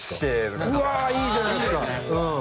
うわいいじゃないですか！